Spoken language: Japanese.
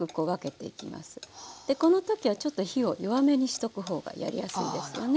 でこの時はちょっと火を弱めにしとくほうがやりやすいですよね。